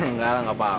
enggak lah gak apa apa